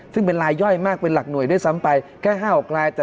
ซึ่งเป็นลายย่อยมากเป็นหลักหน่วยซึ่งแก้๕หรือ๖ราย